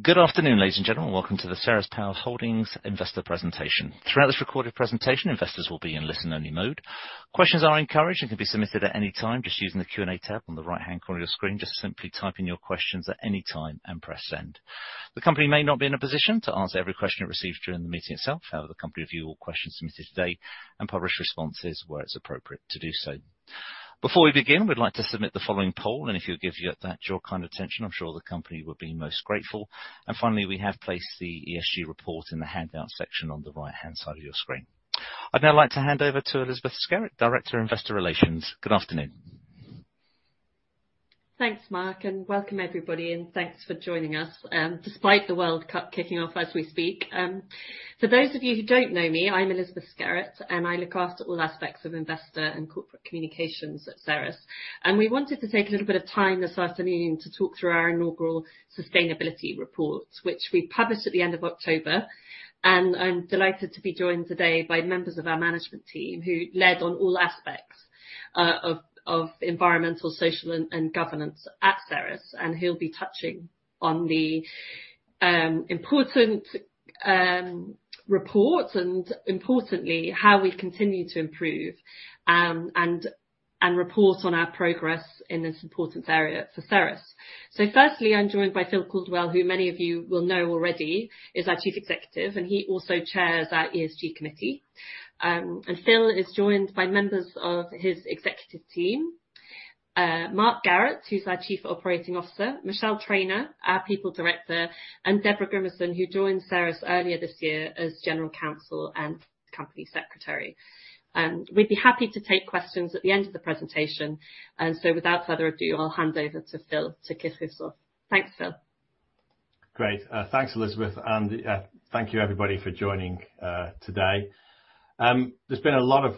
Good afternoon, ladies and gentlemen. Welcome to the Ceres Power Holdings investor presentation. Throughout this recorded presentation, investors will be in listen-only mode. Questions are encouraged and can be submitted at any time just using the Q&A tab on the right-hand corner of your screen. Just simply type in your questions at any time and press send. The company may not be in a position to answer every question it receives during the meeting itself. However, the company review all questions submitted today and publish responses where it's appropriate to do so. Before we begin, we'd like to submit the following poll, and if you'll give you that your kind attention, I'm sure the company will be most grateful. Finally, we have placed the ESG report in the handout section on the right-hand side of your screen. I'd now like to hand over to Elizabeth Skerritt, Director, Investor Relations. Good afternoon. Thanks, Mark, and welcome everybody and thanks for joining us despite the World Cup kicking off as we speak. For those of you who don't know me, I'm Elizabeth Skerritt, and I look after all aspects of investor and corporate communications at Ceres. We wanted to take a little bit of time this afternoon to talk through our inaugural sustainability report, which we published at the end of October. I'm delighted to be joined today by members of our management team who led on all aspects of environmental, social, and governance at Ceres, and who'll be touching on the important report and importantly, how we continue to improve and report on our progress in this important area for Ceres. Firstly, I'm joined by Phil Caldwell, who many of you will know already is our Chief Executive, and he also chairs our ESG committee. Phil is joined by members of his executive team, Mark Garrett, who's our Chief Operating Officer, Michelle Trainor, our People Director, and Deborah Grimason, who joined Ceres earlier this year as General Counsel and Company Secretary. We'd be happy to take questions at the end of the presentation. Without further ado, I'll hand over to Phil to kick us off. Thanks, Phil. Great. Thanks, Elizabeth. Thank you everybody for joining today. There's been a lot of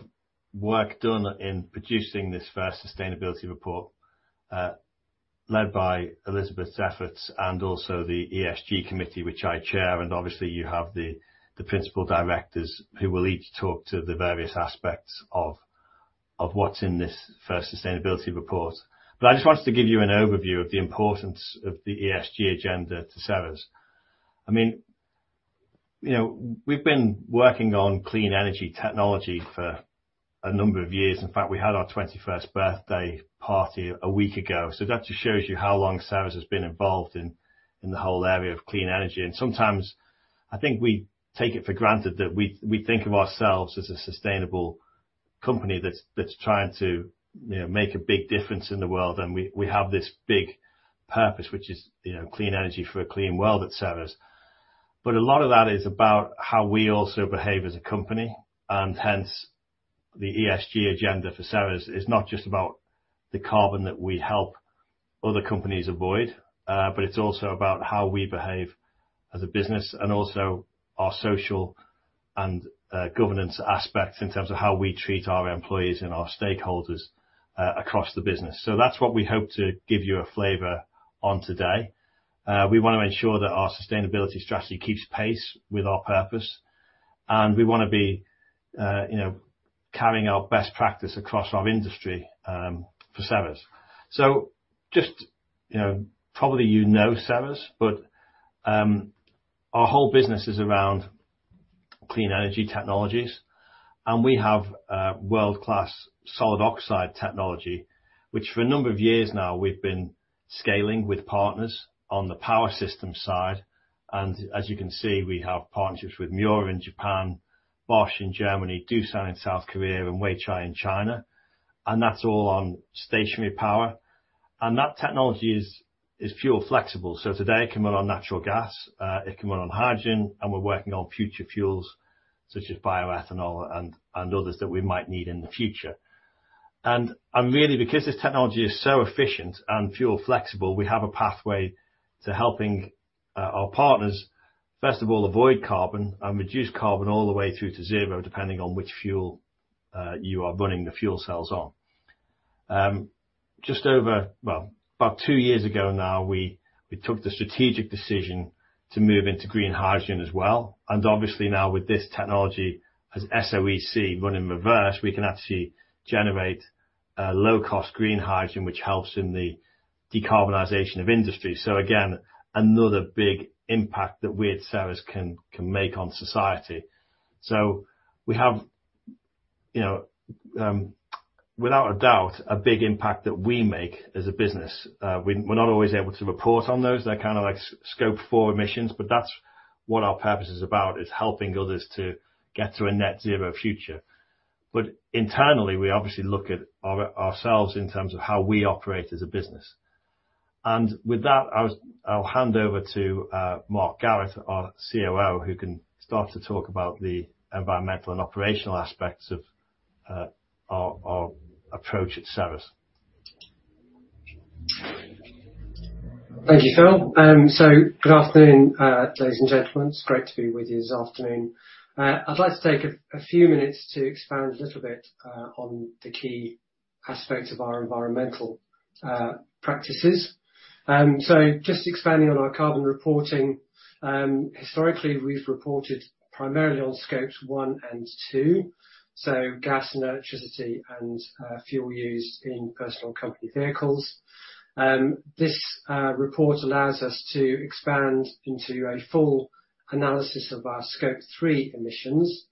work done in producing this first sustainability report, led by Elizabeth's efforts and also the ESG committee, which I chair. Obviously you have the principal directors who will each talk to the various aspects of what's in this first sustainability report. I just wanted to give you an overview of the importance of the ESG agenda to Ceres. I mean, you know, we've been working on clean energy technology for a number of years. In fact, we had our 21st birthday party a week ago. That just shows you how long Ceres has been involved in the whole area of clean energy. Sometimes I think we take it for granted that we think of ourselves as a sustainable company that's trying to, you know, make a big difference in the world. We have this big purpose, which is, you know, clean energy for a clean world at Ceres. A lot of that is about how we also behave as a company, and hence the ESG agenda for Ceres is not just about the carbon that we help other companies avoid, but it's also about how we behave as a business and also our social and governance aspects in terms of how we treat our employees and our stakeholders across the business. That's what we hope to give you a flavor on today. We wanna ensure that our sustainability strategy keeps pace with our purpose, and we wanna be, you know, carrying our best practice across our industry for Ceres. just, you know, probably you know Ceres, but our whole business is around clean energy technologies, and we have a world-class solid oxide technology, which for a number of years now we've been scaling with partners on the power system side. as you can see, we have partnerships with Miura in Japan, Bosch in Germany, Doosan in South Korea, and Weichai in China, and that's all on stationary power. that technology is fuel flexible. today it can run on natural gas, it can run on hydrogen, and we're working on future fuels such as bioethanol and others that we might need in the future. Really because this technology is so efficient and fuel flexible, we have a pathway to helping our partners, first of all, avoid carbon and reduce carbon all the way through to zero, depending on which fuel you are running the fuel cells on. Just over, well, about two years ago now, we took the strategic decision to move into green hydrogen as well. Obviously now with this technology has SOEC run in reverse, we can actually generate a low-cost green hydrogen, which helps in the decarbonization of industry. Again, another big impact that we at Ceres can make on society. We have, you know, without a doubt, a big impact that we make as a business. We're not always able to report on those. They're kind of like Scope 4 emissions, but that's what our purpose is about, is helping others to get to a net zero future. Internally, we obviously look at ourselves in terms of how we operate as a business. With that, I'll hand over to Mark Garrett, our COO, who can start to talk about the environmental and operational aspects of our approach at Ceres. Thank you, Phil. Good afternoon, ladies and gentlemen. It's great to be with you this afternoon. I'd like to take a few minutes to expand a little bit on the key aspect of our environmental practices. Just expanding on our carbon reporting. Historically, we've reported primarily on Scope 1 and 2, so gas and electricity and fuel used in personal company vehicles. This report allows us to expand into a full analysis of our Scope 3 emissions,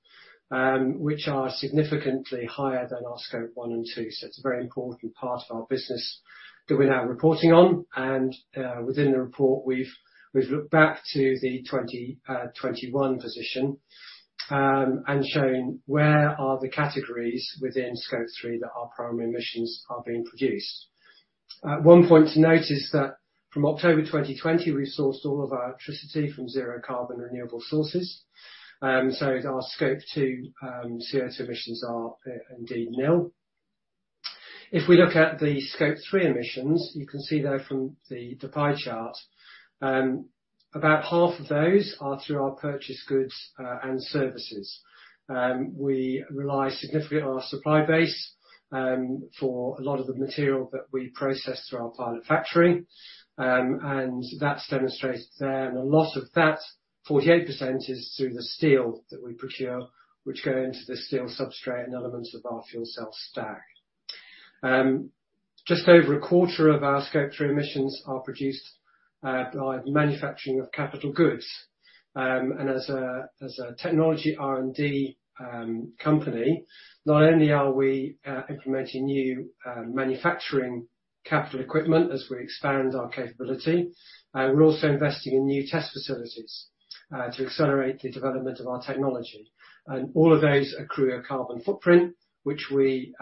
which are significantly higher than our Scope 1 and 2. It's a very important part of our business that we're now reporting on. Within the report, we've looked back to the 2021 position and shown where are the categories within Scope 3 that our primary emissions are being produced. At 1 point to note is that from October 2020, we sourced all of our electricity from zero carbon renewable sources. Our Scope 2 CO2 emissions are indeed nil. If we look at the Scope 3 emissions, you can see there from the pie chart, about half of those are through our purchased goods and services. We rely significantly on our supply base for a lot of the material that we process through our pilot factory. That's demonstrated there. A lot of that, 48% is through the steel that we procure, which go into the steel substrate and elements of our fuel cell stack. Just over a quarter of our Scope 3 emissions are produced by the manufacturing of capital goods. As a technology R&D company, not only are we implementing new manufacturing capital equipment as we expand our capability, we're also investing in new test facilities to accelerate the development of our technology. All of those accrue a carbon footprint, which we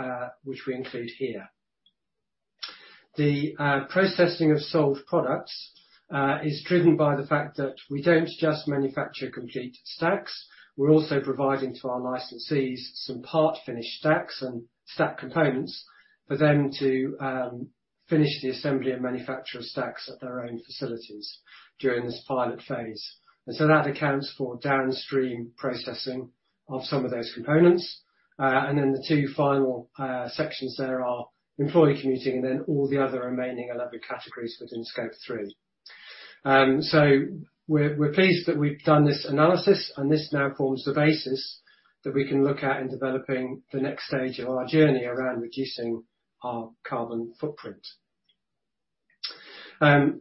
include here. The processing of sold products is driven by the fact that we don't just manufacture complete stacks. We're also providing to our licensees some part finished stacks and stack components for them to finish the assembly and manufacture of stacks at their own facilities during this pilot phase. That accounts for downstream processing of some of those components. The two final sections there are employee commuting and then all the other remaining 11 categories within Scope 3. We're pleased that we've done this analysis, and this now forms the basis that we can look at in developing the next stage of our journey around reducing our carbon footprint.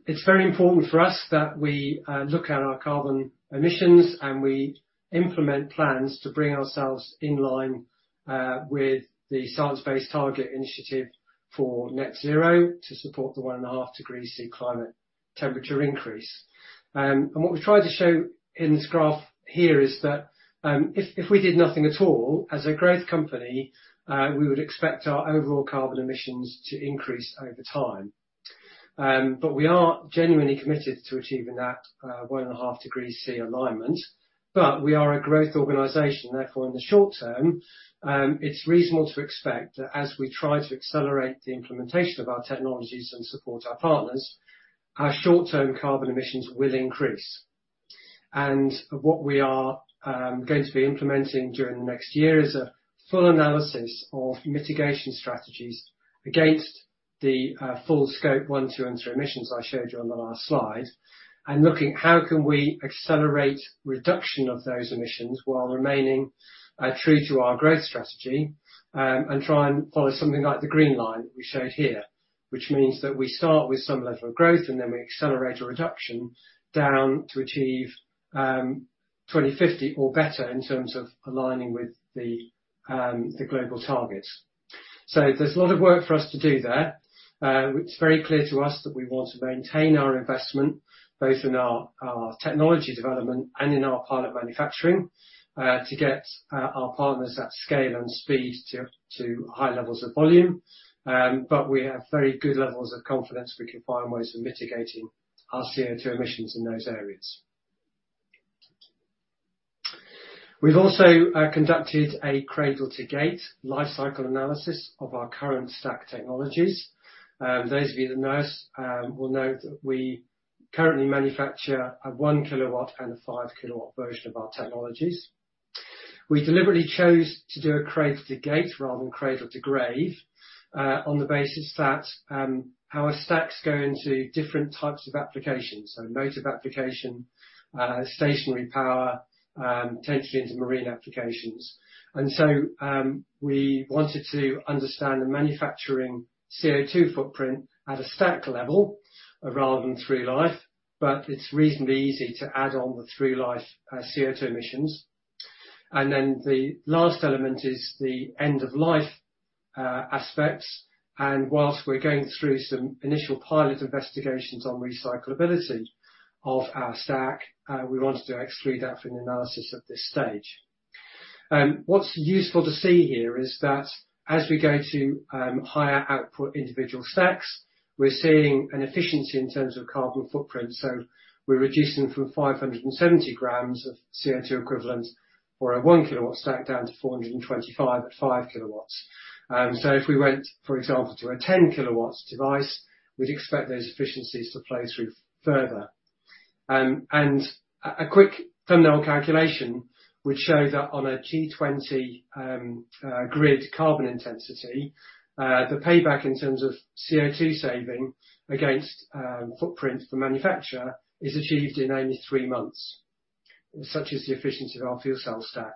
It's very important for us that we look at our carbon emissions, and we implement plans to bring ourselves in line with the Science Based Targets initiative for net zero to support the 1.5 degrees Celsius climate temperature increase. What we've tried to show in this graph here is that, if we did nothing at all as a growth company, we would expect our overall carbon emissions to increase over time. We are genuinely committed to achieving that 1.5 degrees Celsius alignment. We are a growth organization. Therefore, in the short term, it's reasonable to expect that as we try to accelerate the implementation of our technologies and support our partners, our short-term carbon emissions will increase. What we are going to be implementing during the next year is a full analysis of mitigation strategies against the full Scope 1, 2, and 3 emissions I showed you on the last slide. Looking how can we accelerate reduction of those emissions while remaining true to our growth strategy, and try and follow something like the green line we showed here, which means that we start with some level of growth, then we accelerate a reduction down to achieve 2050 or better in terms of aligning with the global targets. There's a lot of work for us to do there. It's very clear to us that we want to maintain our investment, both in our technology development and in our pilot manufacturing, to get our partners at scale and speed to high levels of volume. We have very good levels of confidence we can find ways of mitigating our CO2 emissions in those areas. We've also conducted a cradle-to-gate life cycle analysis of our current stack technologies. Those of you that know us will know that we currently manufacture a 1 kilowatt and a 5 kilowatt version of our technologies. We deliberately chose to do a cradle-to-gate rather than cradle-to-grave on the basis that our stacks go into different types of applications, so motive application, stationary power, potentially into marine applications. We wanted to understand the manufacturing CO2 footprint at a stack level rather than through life, but it's reasonably easy to add on the through life CO2 emissions. The last element is the end of life aspects. Whilst we're going through some initial pilot investigations on recyclability of our stack, we wanted to exclude that from the analysis at this stage. What's useful to see here is that as we go to higher output individual stacks, we're seeing an efficiency in terms of carbon footprint. We're reducing from 570 grams of CO2 equivalent for a 1 kilowatt stack down to 425 at 5 kilowatts. So if we went, for example, to a 10 kilowatts device, we'd expect those efficiencies to play through further. A quick thumbnail calculation which shows that on a G20 grid carbon intensity, the payback in terms of CO2 saving against footprint for manufacturer is achieved in only 3 months, such is the efficiency of our fuel cell stack.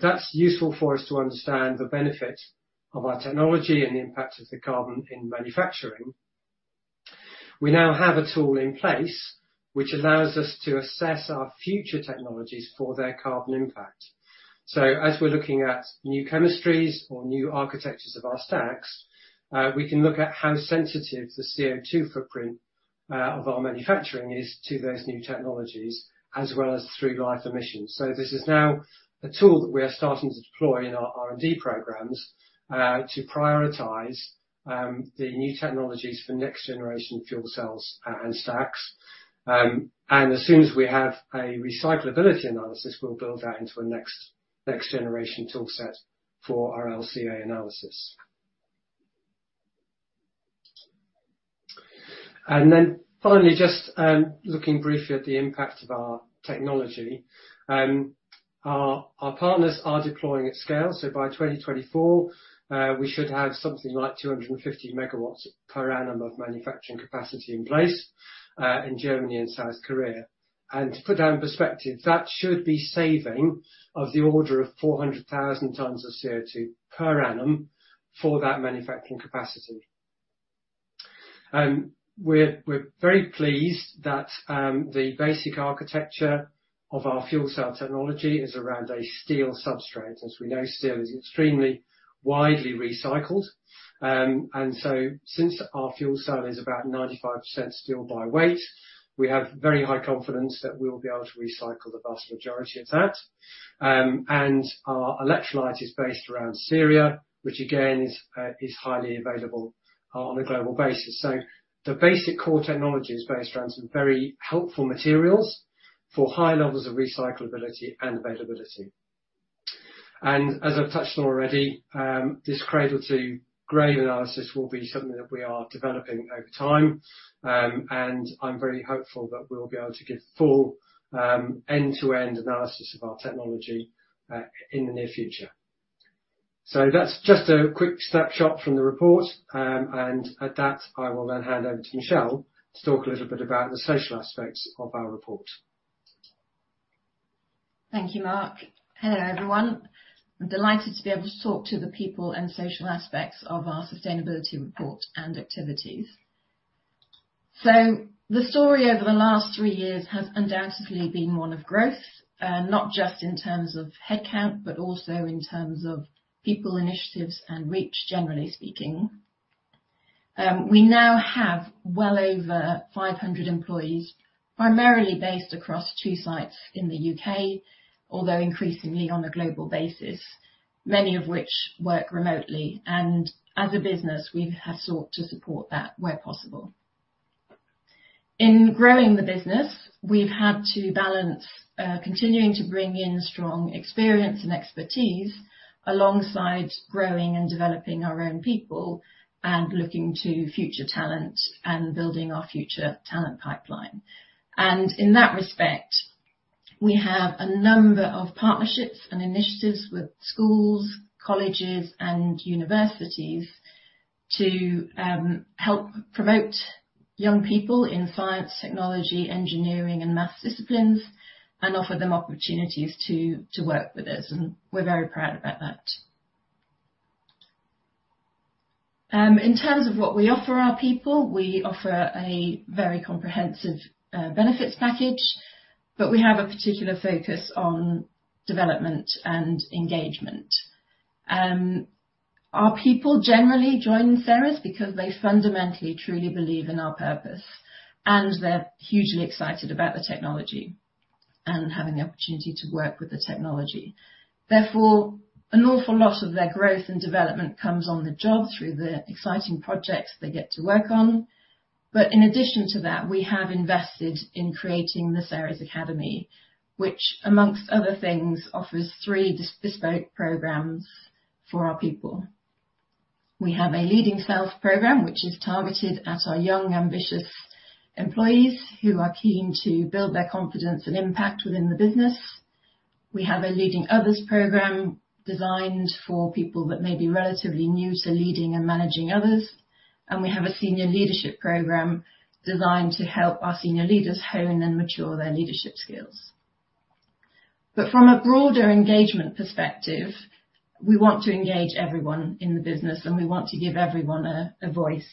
That's useful for us to understand the benefit of our technology and the impact of the carbon in manufacturing. We now have a tool in place which allows us to assess our future technologies for their carbon impact. As we're looking at new chemistries or new architectures of our stacks, we can look at how sensitive the CO2 footprint of our manufacturing is to those new technologies, as well as through life emissions. This is now a tool that we are starting to deploy in our R&D programs to prioritize the new technologies for next generation fuel cells and stacks. As soon as we have a recyclability analysis, we'll build that into a next generation tool set for our LCA analysis. Finally, just looking briefly at the impact of our technology. Our partners are deploying at scale, by 2024 we should have something like 250 MW per annum of manufacturing capacity in place in Germany and South Korea. To put that in perspective, that should be saving of the order of 400,000 tons of CO2 per annum for that manufacturing capacity. We're very pleased that the basic architecture of our fuel cell technology is around a steel substrate. As we know, steel is extremely widely recycled. Since our fuel cell is about 95% steel by weight, we have very high confidence that we'll be able to recycle the vast majority of that. Our electrolyte is based around ceria, which again is highly available on a global basis. The basic core technology is based around some very helpful materials for high levels of recyclability and availability. As I've touched on already, this cradle-to-grave analysis will be something that we are developing over time. I'm very hopeful that we'll be able to give full end-to-end analysis of our technology in the near future. That's just a quick snapshot from the report. At that, I will then hand over to Michelle to talk a little bit about the social aspects of our report. Thank you, Mark. Hello, everyone. I'm delighted to be able to talk to the people and social aspects of our sustainability report and activities. The story over the last 3 years has undoubtedly been one of growth, not just in terms of headcount, but also in terms of people initiatives and reach, generally speaking. We now have well over 500 employees, primarily based across 2 sites in the UK, although increasingly on a global basis, many of which work remotely. As a business, we have sought to support that where possible. In growing the business, we've had to balance, continuing to bring in strong experience and expertise alongside growing and developing our own people and looking to future talent and building our future talent pipeline. In that respect, we have a number of partnerships and initiatives with schools, colleges, and universities to help promote young people in science, technology, engineering, and math disciplines and offer them opportunities to work with us, and we're very proud about that. In terms of what we offer our people, we offer a very comprehensive benefits package, but we have a particular focus on development and engagement. Our people generally join Ceres because they fundamentally, truly believe in our purpose, and they're hugely excited about the technology and having the opportunity to work with the technology. Therefore, an awful lot of their growth and development comes on the job through the exciting projects they get to work on. In addition to that, we have invested in creating Ceres Academy, which, amongst other things, offers three bespoke programs for our people. We have a Leading Self program, which is targeted at our young, ambitious employees who are keen to build their confidence and impact within the business. We have a Leading Others program designed for people that may be relatively new to leading and managing others. We have a Senior Leadership program designed to help our senior leaders hone and mature their leadership skills. From a broader engagement perspective, we want to engage everyone in the business, and we want to give everyone a voice.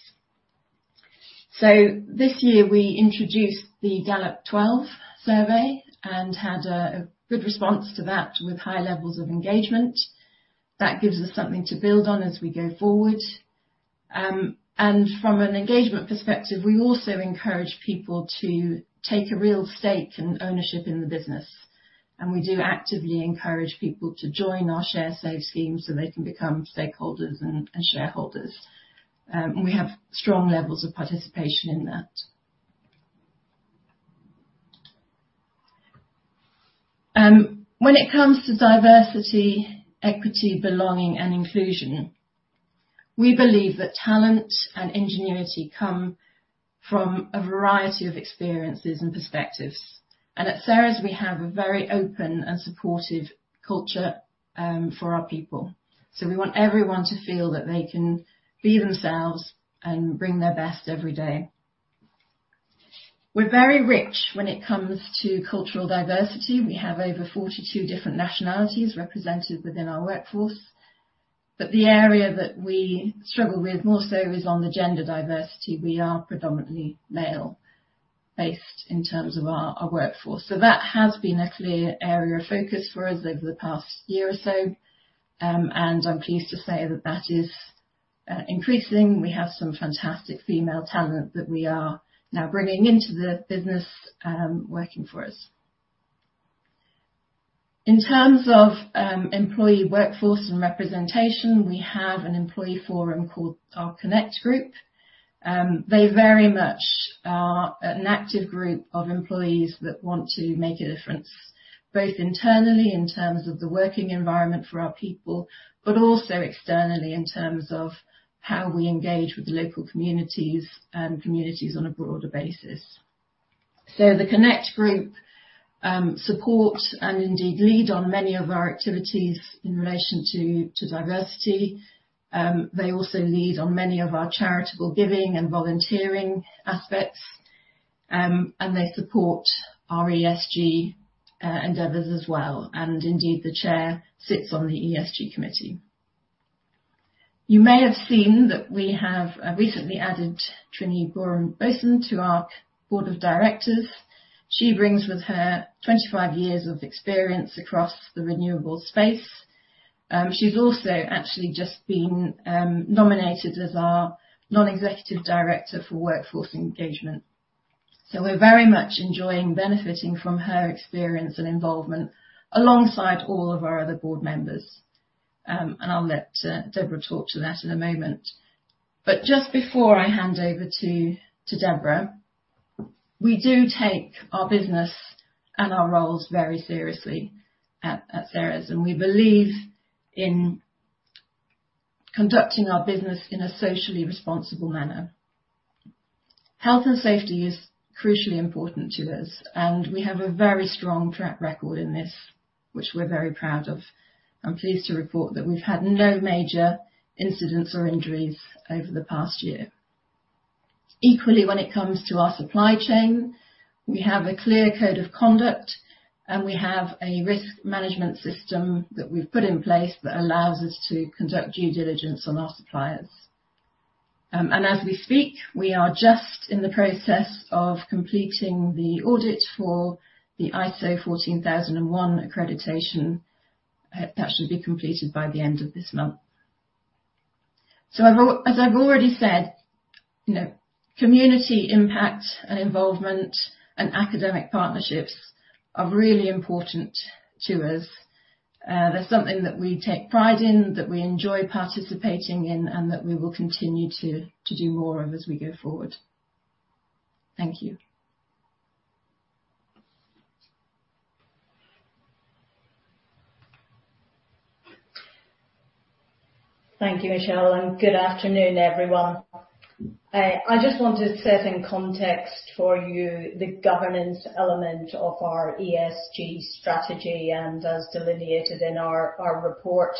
This year, we introduced the Gallup Q12 survey and had a good response to that with high levels of engagement. That gives us something to build on as we go forward. From an engagement perspective, we also encourage people to take a real stake and ownership in the business, and we do actively encourage people to join our Sharesave scheme so they can become stakeholders and shareholders. We have strong levels of participation in that. When it comes to diversity, equity, belonging, and inclusion, we believe that talent and ingenuity come from a variety of experiences and perspectives. At Ceres, we have a very open and supportive culture for our people. We want everyone to feel that they can be themselves and bring their best every day. We're very rich when it comes to cultural diversity. We have over 42 different nationalities represented within our workforce. The area that we struggle with more so is on the gender diversity. We are predominantly male-based in terms of our workforce. That has been a clear area of focus for us over the past year or so. I'm pleased to say that that is increasing. We have some fantastic female talent that we are now bringing into the business, working for us. In terms of employee workforce and representation, we have an employee forum called our Connect Group. They very much are an active group of employees that want to make a difference, both internally in terms of the working environment for our people, but also externally in terms of how we engage with the local communities and communities on a broader basis. The Connect Group support and indeed lead on many of our activities in relation to diversity. They also lead on many of our charitable giving and volunteering aspects, and they support our ESG endeavors as well. The chair sits on the ESG committee. You may have seen that we have recently added Trine Borum Bojsen to our board of directors. She brings with her 25 years of experience across the renewable space. She's also actually just been nominated as our Non-Executive Director for workforce engagement. We're very much enjoying benefiting from her experience and involvement alongside all of our other board members. I'll let Deborah talk to that in a moment. Just before I hand over to Deborah, we do take our business and our roles very seriously at Ceres, and we believe in conducting our business in a socially responsible manner. Health and safety is crucially important to us, and we have a very strong track record in this, which we're very proud of. I'm pleased to report that we've had no major incidents or injuries over the past year. Equally, when it comes to our supply chain, we have a clear code of conduct, and we have a risk management system that we've put in place that allows us to conduct due diligence on our suppliers. As we speak, we are just in the process of completing the audit for the ISO 14001 accreditation. That should be completed by the end of this month. As I've already said, you know, community impact and involvement and academic partnerships are really important to us. That's something that we take pride in, that we enjoy participating in, and that we will continue to do more of as we go forward. Thank you. Thank you, Michelle. Good afternoon, everyone. I just want to set in context for you the governance element of our ESG strategy and as delineated in our report.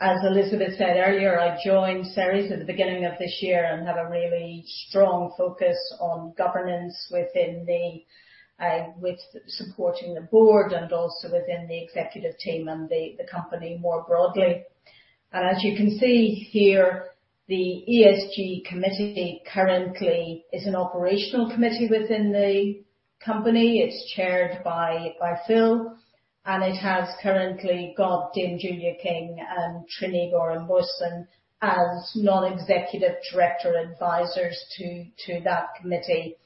As Elizabeth said earlier, I joined Ceres at the beginning of this year and have a really strong focus on governance within with supporting the board and also within the executive team and the company more broadly. As you can see here, the ESG committee currently is an operational committee within the company. It's chaired by Phil, and it has currently got Dame Julia King and Trine Borum Bojsen as non-executive director advisors to that committee.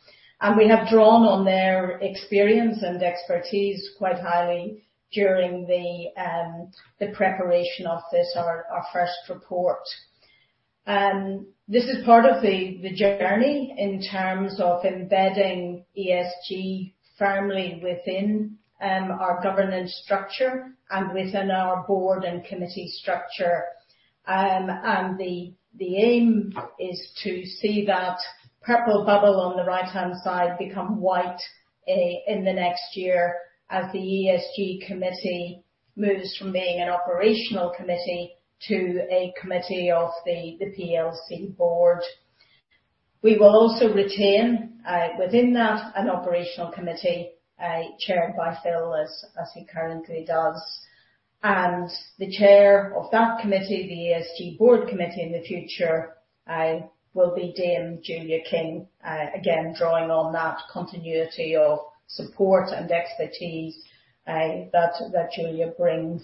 We have drawn on their experience and expertise quite highly during the preparation of this, our first report. This is part of the journey in terms of embedding ESG firmly within our governance structure and within our board and committee structure. The aim is to see that purple bubble on the right-hand side become white in the next year as the ESG committee moves from being an operational committee to a committee of the PLC board. We will also retain within that an operational committee chaired by Phil as he currently does. The chair of that committee, the ESG board committee in the future, will be Dame Julia King, again, drawing on that continuity of support and expertise that Julia brings.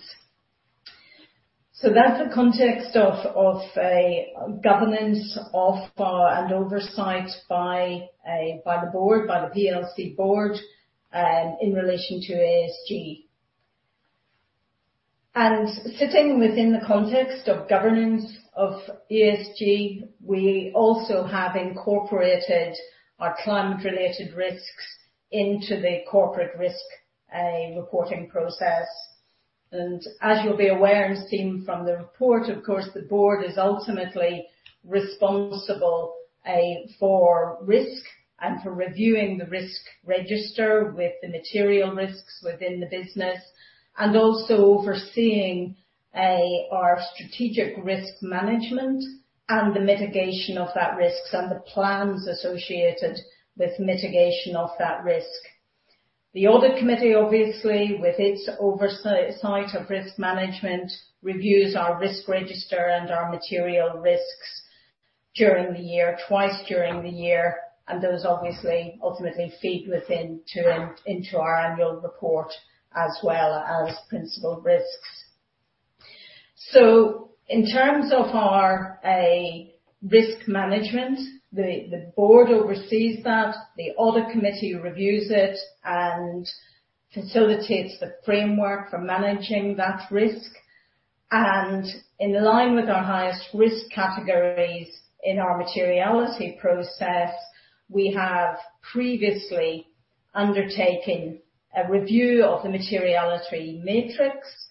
That's the context of a governance and oversight by the board, by the PLC Board, in relation to ESG. Sitting within the context of governance of ESG, we also have incorporated our climate related risks into the corporate risk reporting process. As you'll be aware and seen from the report, of course, the board is ultimately responsible for risk and for reviewing the risk register with the material risks within the business, and also overseeing our strategic risk management and the mitigation of that risks and the plans associated with mitigation of that risk. The Audit Committee, obviously, with its oversight of risk management, reviews our risk register and our material risks during the year, twice during the year, and those obviously ultimately feed into our annual report as well as principal risks. In terms of our risk management, the board oversees that. The audit committee reviews it and facilitates the framework for managing that risk. In line with our highest risk categories in our materiality process, we have previously undertaken a review of the materiality matrix,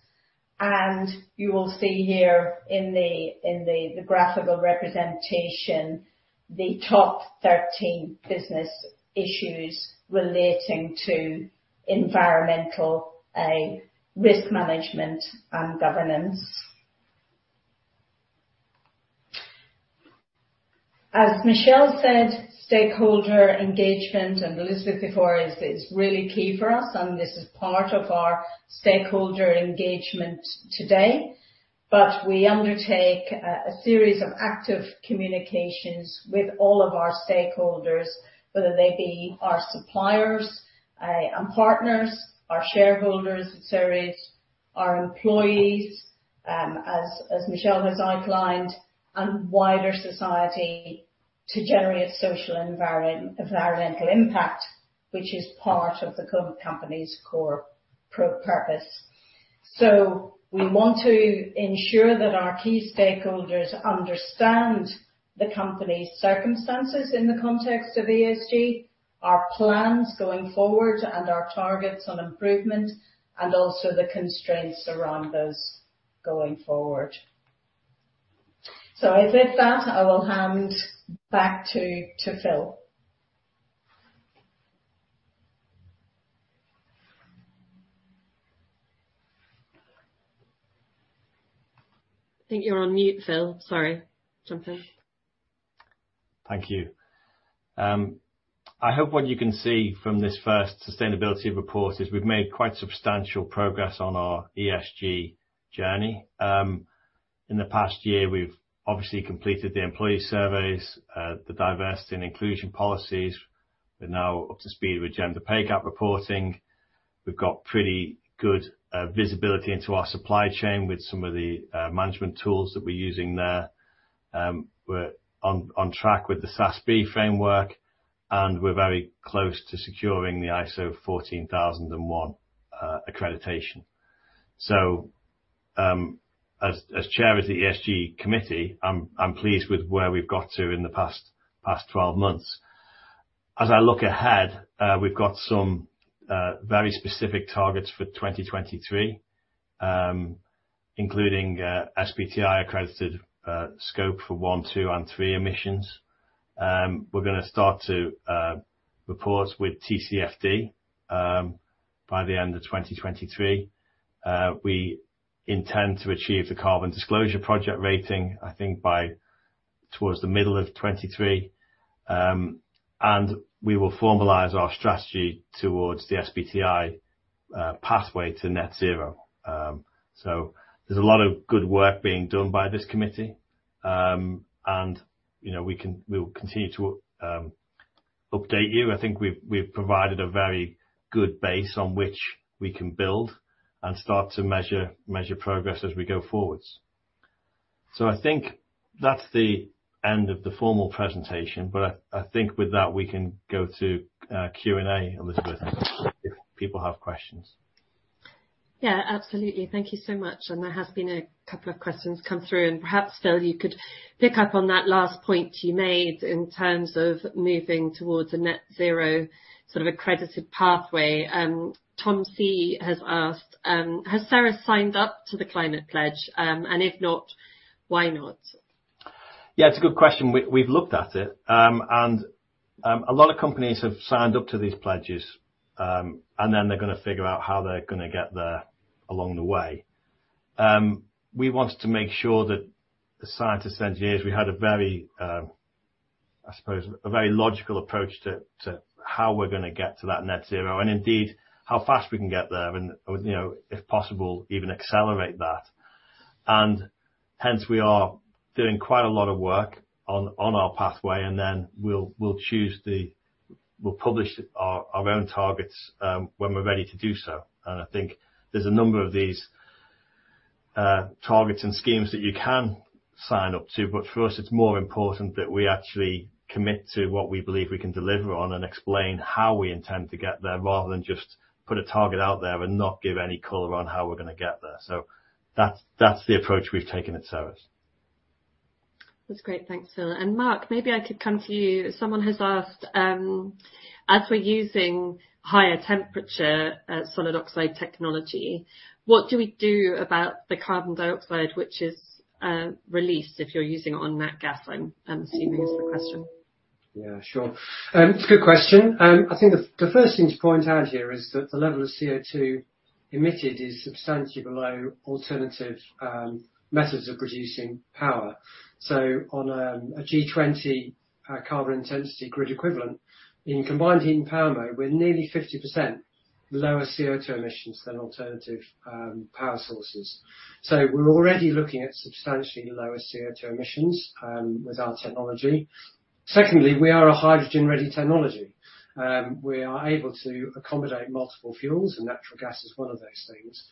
and you will see here in the graphical representation, the top 13 business issues relating to environmental risk management and governance. As Michelle said, stakeholder engagement and Elizabeth before is really key for us, and this is part of our stakeholder engagement today. We undertake a series of active communications with all of our stakeholders, whether they be our suppliers and partners, our shareholders at Ceres, our employees, as Michelle has outlined, and wider society to generate social environmental impact, which is part of the company's core purpose. We want to ensure that our key stakeholders understand the company's circumstances in the context of ESG, our plans going forward and our targets on improvement, and also the constraints around us going forward. With that, I will hand back to Phil. I think you're on mute, Phil. Sorry. Jump in. Thank you. I hope what you can see from this first sustainability report is we've made quite substantial progress on our ESG journey. In the past year, we've obviously completed the employee surveys, the diversity and inclusion policies. We're now up to speed with gender pay gap reporting. We've got pretty good visibility into our supply chain with some of the management tools that we're using there. We're on track with the SASB framework, and we're very close to securing the ISO 14001 accreditation. As chair of the ESG committee, I'm pleased with where we've got to in the past 12 months. As I look ahead, we've got some very specific targets for 2023, including SBTi accredited Scope 1, 2 and 3 emissions. We're gonna start to report with TCFD by the end of 2023. We intend to achieve the Carbon Disclosure Project rating, I think by towards the middle of 2023. We will formalize our strategy towards the SBTi pathway to net zero. There's a lot of good work being done by this committee. You know, we'll continue to update you. I think we've provided a very good base on which we can build and start to measure progress as we go forwards. I think that's the end of the formal presentation, but I think with that we can go to Q&A, Elizabeth- If people have questions. Yeah, absolutely. Thank you so much. There has been a couple of questions come through and perhaps, Phil Caldwell, you could pick up on that last point you made in terms of moving towards a net zero sort of accredited pathway. Tom C has asked, "Has Ceres signed up to The Climate Pledge? And if not, why not? Yeah, it's a good question. We've looked at it, and a lot of companies have signed up to these pledges, and then they're gonna figure out how they're gonna get there along the way. We wanted to make sure that as scientists and engineers, we had a very, I suppose, a very logical approach to how we're gonna get to that net zero, and indeed how fast we can get there and, you know, if possible, even accelerate that. Hence we are doing quite a lot of work on our pathway, and then we'll choose the... we'll publish our own targets when we're ready to do so. I think there's a number of these targets and schemes that you can sign up to. For us, it's more important that we actually commit to what we believe we can deliver on and explain how we intend to get there, rather than just put a target out there and not give any color on how we're gonna get there. That's the approach we've taken at Ceres. That's great. Thanks, Phil. Mark, maybe I could come to you. Someone has asked, as we're using higher temperature, solid oxide technology, what do we do about the carbon dioxide which is released if you're using it on nat gas? I'm assuming is the question. Yeah, sure. It's a good question. I think the first thing to point out here is that the level of CO2 emitted is substantially below alternative methods of producing power. On a G20 carbon intensity grid equivalent in combined heat and power mode, we're nearly 50% lower CO2 emissions than alternative power sources. We're already looking at substantially lower CO2 emissions with our technology. Secondly, we are a hydrogen-ready technology. We are able to accommodate multiple fuels, and natural gas is one of those things.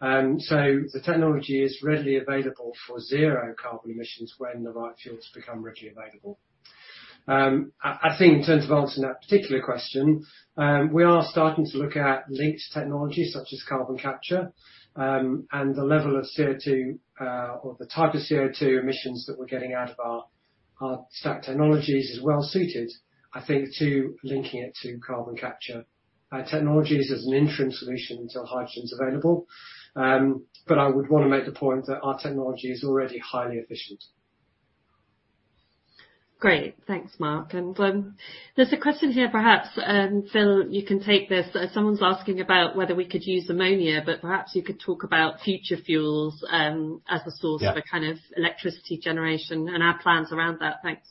The technology is readily available for zero carbon emissions when the right fuels become readily available. I think in terms of answering that particular question, we are starting to look at linked technologies such as carbon capture, and the level of CO2, or the type of CO2 emissions that we're getting out of our stack technologies is well-suited, I think, to linking it to carbon capture technologies as an interim solution until hydrogen's available. I would wanna make the point that our technology is already highly efficient. Great. Thanks, Mark. There's a question here, perhaps, Phil, you can take this. Someone's asking about whether we could use ammonia, but perhaps you could talk about future fuels, as a source. Yeah Of a kind of electricity generation and our plans around that. Thanks.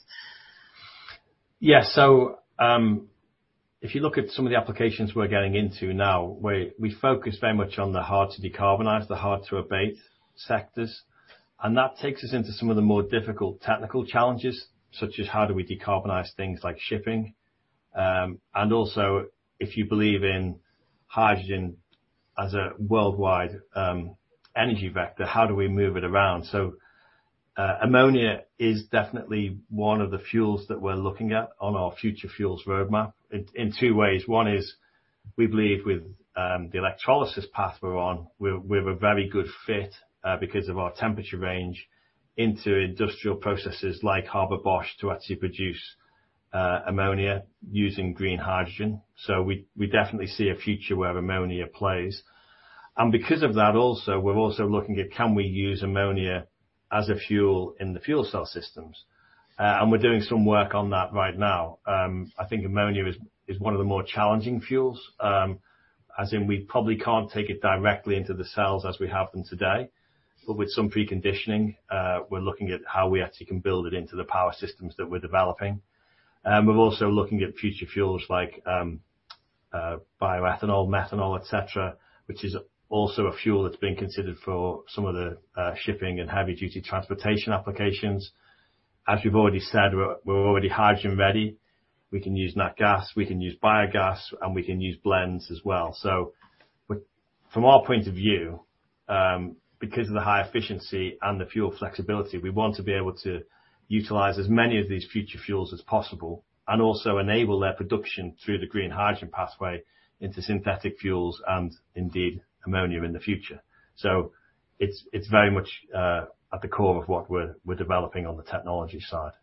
If you look at some of the applications we're getting into now, we focus very much on the hard to decarbonize, the hard to abate sectors, and that takes us into some of the more difficult technical challenges, such as how do we decarbonize things like shipping. If you believe in hydrogen as a worldwide energy vector, how do we move it around? Ammonia is definitely one of the fuels that we're looking at on our future fuels roadmap in two ways. One is, we believe with the electrolysis path we're on, we're a very good fit because of our temperature range into industrial processes like Haber-Bosch to actually produce ammonia using green hydrogen. We definitely see a future where ammonia plays. Because of that also, we're also looking at can we use ammonia as a fuel in the fuel cell systems. We're doing some work on that right now. I think ammonia is one of the more challenging fuels, as in we probably can't take it directly into the cells as we have them today. With some preconditioning, we're looking at how we actually can build it into the power systems that we're developing. We're also looking at future fuels like bioethanol, methanol, et cetera, which is also a fuel that's being considered for some of the shipping and heavy-duty transportation applications. As we've already said, we're already hydrogen-ready. We can use nat gas, we can use biogas, and we can use blends as well. From our point of view, because of the high efficiency and the fuel flexibility, we want to be able to utilize as many of these future fuels as possible, and also enable their production through the green hydrogen pathway into synthetic fuels and indeed ammonia in the future. It's very much at the core of what we're developing on the technology side.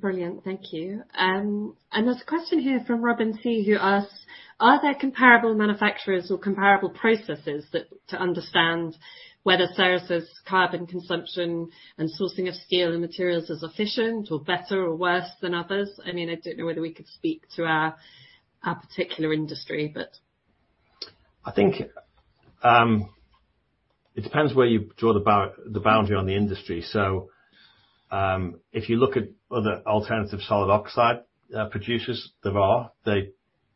Brilliant. Thank you. There's a question here from Robin C, who asks, "Are there comparable manufacturers or comparable processes to understand whether Ceres's carbon consumption and sourcing of steel and materials is efficient or better or worse than others?" I mean, I don't know whether we could speak to our particular industry, but... I think it depends where you draw the boundary on the industry. If you look at other alternative solid oxide producers, there are.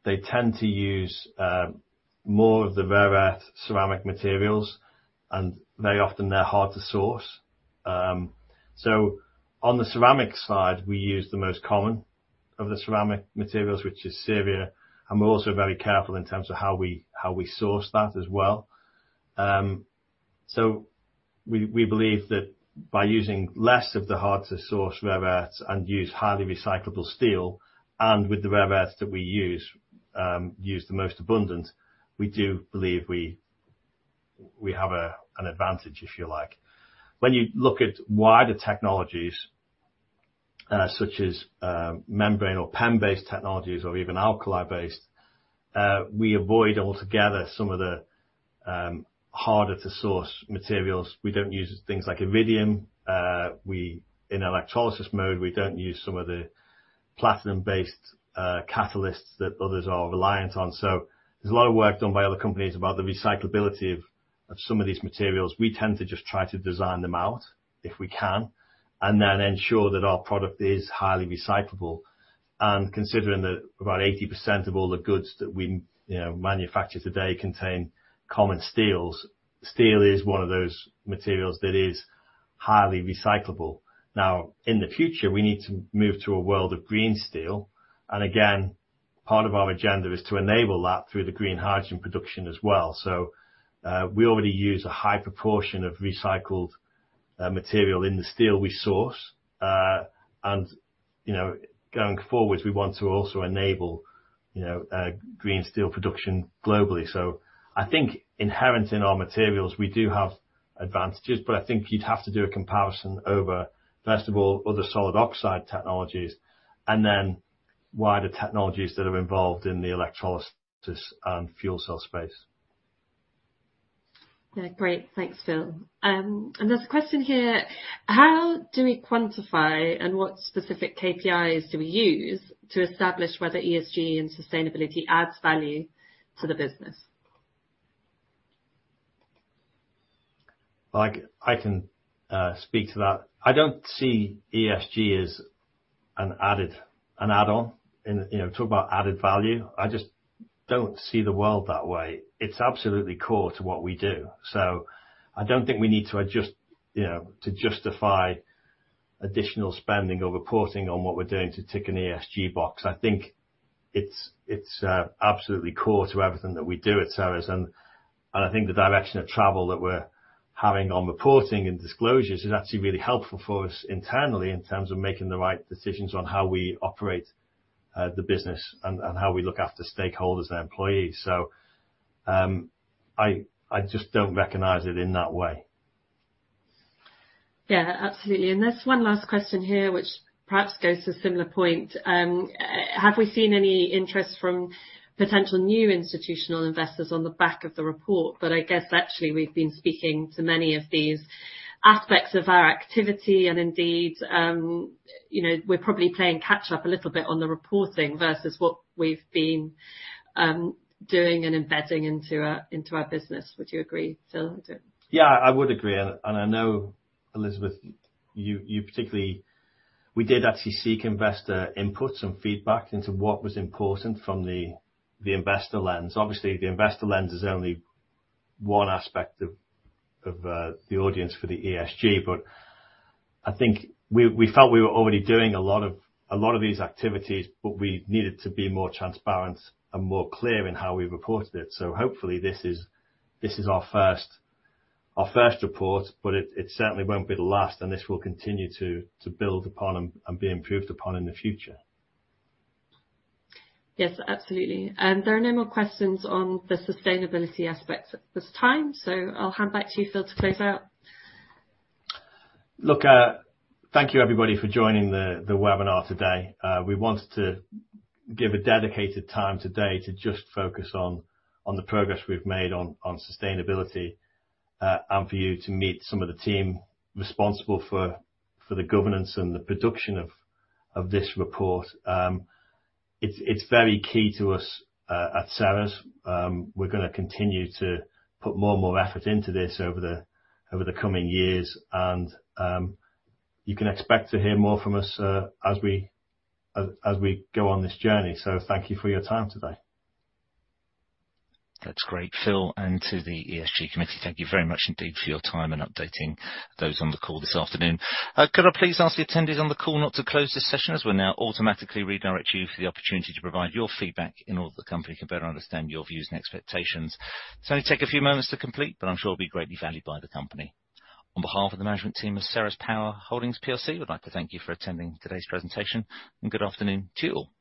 They tend to use more of the rare earth ceramic materials, and very often they're hard to source. On the ceramic side, we use the most common of the ceramic materials, which is ceria, and we're also very careful in terms of how we source that as well. We believe that by using less of the hard to source rare earths and use highly recyclable steel, and with the rare earths that we use the most abundant, we do believe we have an advantage, if you like. When you look at wider technologies, such as membrane or PEM-based technologies or even alkali-based, we avoid altogether some of the harder to source materials. We don't use things like iridium. In electrolysis mode, we don't use some of the platinum-based catalysts that others are reliant on. There's a lot of work done by other companies about the recyclability of some of these materials. We tend to just try to design them out if we can and then ensure that our product is highly recyclable. Considering that about 80% of all the goods that we, you know, manufacture today contain common steels, steel is one of those materials that is highly recyclable. In the future, we need to move to a world of green steel, and again, part of our agenda is to enable that through the green hydrogen production as well. We already use a high proportion of recycled material in the steel we source. You know, going forward, we want to also enable, you know, green steel production globally. I think inherent in our materials, we do have advantages, but I think you'd have to do a comparison over, first of all, other solid oxide technologies and then wider technologies that are involved in the electrolysis and fuel cell space. Yeah, great. Thanks, Phil. There's a question here. How do we quantify and what specific KPIs do we use to establish whether ESG and sustainability adds value to the business? I can speak to that. I don't see ESG as an add-on. You know, talk about added value, I just don't see the world that way. It's absolutely core to what we do. I don't think we need to adjust, you know, to justify additional spending or reporting on what we're doing to tick an ESG box. I think it's absolutely core to everything that we do at Ceres, and I think the direction of travel that we're having on reporting and disclosures is actually really helpful for us internally in terms of making the right decisions on how we operate the business and how we look after stakeholders and employees. I just don't recognize it in that way. Yeah. Absolutely. There's one last question here which perhaps goes to a similar point. Have we seen any interest from potential new institutional investors on the back of the report? I guess actually we've been speaking to many of these aspects of our activity and indeed, you know, we're probably playing catch up a little bit on the reporting versus what we've been doing and embedding into our, into our business. Would you agree, Phil? Yeah, I would agree. I know, Elizabeth, you particularly, we did actually seek investor input and feedback into what was important from the investor lens. Obviously, the investor lens is only one aspect of the audience for the ESG. I think we felt we were already doing a lot of these activities, but we needed to be more transparent and more clear in how we reported it. Hopefully this is our first report, but it certainly won't be the last, and this will continue to build upon and be improved upon in the future. Yes. Absolutely. There are no more questions on the sustainability aspects at this time. I'll hand back to you, Phil, to close out. Look, thank you, everybody, for joining the webinar today. We wanted to give a dedicated time today to just focus on the progress we've made on sustainability, and for you to meet some of the team responsible for the governance and the production of this report. It's very key to us at Ceres. We're gonna continue to put more and more effort into this over the coming years and you can expect to hear more from us as we go on this journey. Thank you for your time today. That's great, Phil. To the ESG committee, thank you very much indeed for your time in updating those on the call this afternoon. Could I please ask the attendees on the call not to close this session as we'll now automatically redirect you for the opportunity to provide your feedback in order that the company can better understand your views and expectations. This only take a few moments to complete, but I'm sure it'll be greatly valued by the company. On behalf of the management team of Ceres Power Holdings plc, we'd like to thank you for attending today's presentation, and good afternoon to you all.